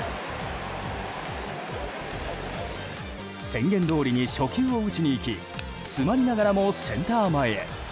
宣言どおりに初球を打ちに行き詰まりながらもセンター前へ。